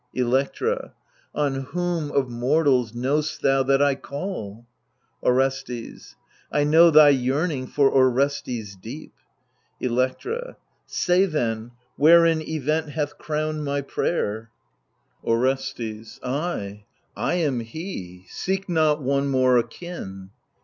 Electra On whom of mortals know'st thou that I call ? Orestes I know thy yearning for Orestes deep. Electra Say then, wherein event hath crowned my prayer ? 92 THE LIBATION BEARERS Orestes I, I am he ; seek not one more akin.